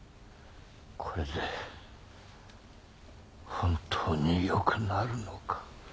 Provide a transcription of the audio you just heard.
これで本当によくなるのか？